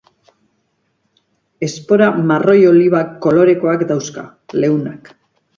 Espora marroi-oliba kolorekoak dauzka, leunak.